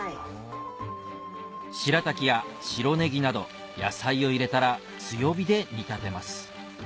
白滝や白ネギなど野菜を入れたら強火で煮立てます